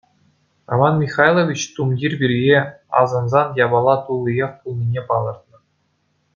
Роман Михайлович тумтир пирки асӑнсан япала туллиех пулнине палӑртнӑ.